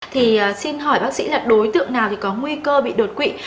thì xin hỏi bác sĩ là đối tượng nào thì có nguy cơ bị đột quỵ